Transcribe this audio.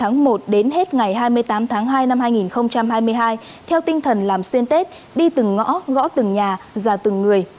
chiến dịch sẽ diễn ra từ ngày hai mươi tám tháng hai năm hai nghìn hai mươi hai theo tinh thần làm xuyên tết đi từng ngõ gõ từng nhà già từng người